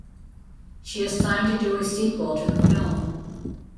She has signed to do a sequel to the film.